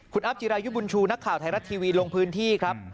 คุณอัพจิรายุบุญชูนักข่าวไทยรัฐทีวีลงพื้นที่ครับ